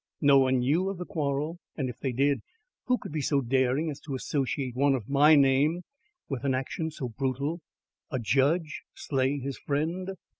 No one knew of the quarrel; and if they did, who could be so daring as to associate one of my name with an action so brutal? A judge slay his friend!